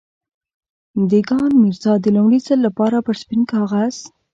دېګان ميرزا د لومړي ځل لپاره پر سپين کاغذ.